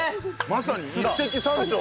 まさに一石三鳥。